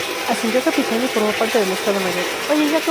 Ascendió a capitán y formó parte del Estado Mayor.